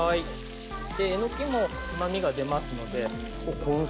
えのきもうま味が出ますので。